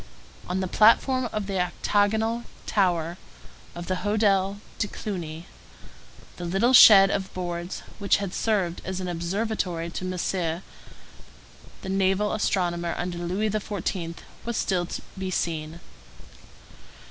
On the platform of the octagonal tower of the Hotel de Cluny, the little shed of boards, which had served as an observatory to Messier, the naval astronomer under Louis XVI., was still to be seen.